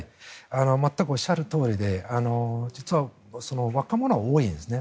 全くおっしゃるとおりで実は若者は多いんですね。